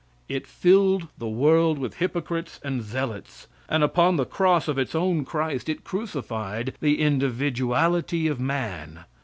It filled the world with hypocrites and zealots, and upon the cross of its own Christ it crucified the individuality of man.